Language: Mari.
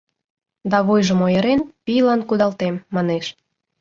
Да вуйжым ойырен, пийлан кудалтем, манеш.